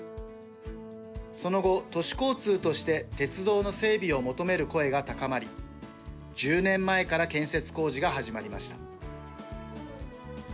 その後、都市交通として鉄道の整備を求める声が高まり１０年前から建設工事が始まりました。